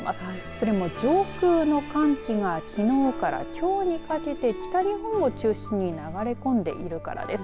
それも上空の寒気がきのうからきょうにかけて北日本を中心に流れ込んでいるからです。